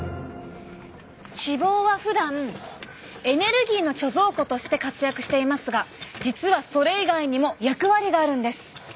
脂肪はふだんエネルギーの貯蔵庫として活躍していますが実はそれ以外にも役割があるんです。